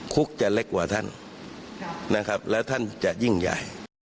คุกจะเล็กกว่าท่านนะครับแล้วท่านจะยิ่งใหญ่